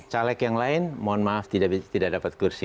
caleg yang lain mohon maaf tidak dapat kursi